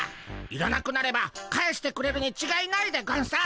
いらなくなれば返してくれるにちがいないでゴンス。